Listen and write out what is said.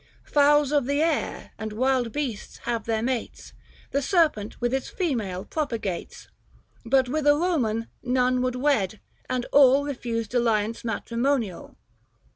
Fowls of the air and wild beasts have their mates, The serpent with its female propagates ; But with a Koman none would wed, and all Kefused alliance matrimonial.